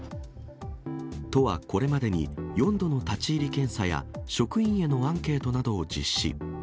都はこれまでに４度の立ち入り検査や職員へのアンケートなどを実施。